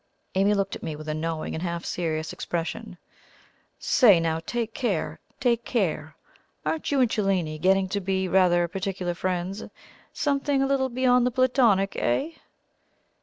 Amy looked at me with a knowing and half serious expression. "Say now take care, take care! Aren't you and Cellini getting to be rather particular friends something a little beyond the Platonic, eh?"